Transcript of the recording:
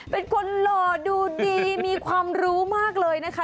เป็นคนหล่อดูดีมีความรู้มากเลยนะคะ